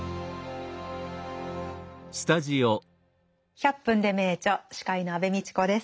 「１００分ｄｅ名著」司会の安部みちこです。